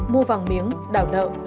mua vàng miếng đảo nợ